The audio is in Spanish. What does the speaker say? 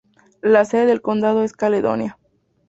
La sede de condado es Caledonia.